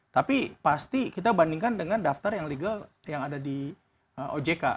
tapi pasti kita bandingkan dengan daftar yang legal yang ada di ojk